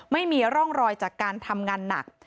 ไม่มีร่องรอยจากการทำงานหนัก